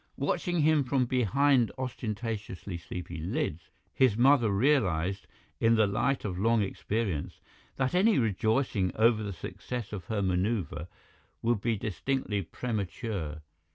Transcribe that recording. Watching him from behind ostentatiously sleepy lids, his mother realized, in the light of long experience, that any rejoicing over the success of her manoeuvre would be distinctly premature.